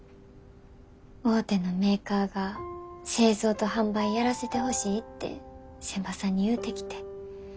大手のメーカーが製造と販売やらせてほしいて仙波さんに言うてきて